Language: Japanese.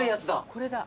これだ。